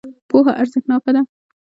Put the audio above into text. پوهه ارزښتناکه ده.